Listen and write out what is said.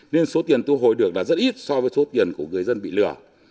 nên số tiền thu hồi được là rất ít so với số tiền của người dân bị lừa